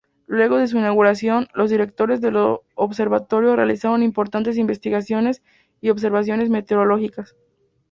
Luego de su inauguración, los directores del observatorio realizaron importantes investigaciones y observaciones meteorológicas.